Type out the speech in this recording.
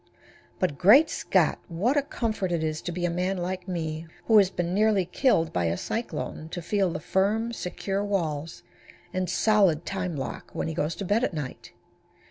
But, great Scott! what a comfort it is to a man like me, who has been nearly killed by a cyclone, to feel the firm, secure walls and solid time lock when he goes to bed at night!